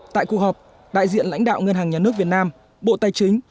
tại cuộc họp đại diện lãnh đạo ngân hàng nhà nước việt nam bộ tài chính